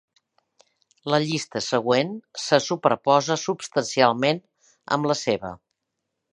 La llista següent se superposa substancialment amb la seva.